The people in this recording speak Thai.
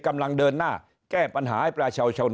กำลังเดินหน้าแก้ปัญหาให้ประชาชน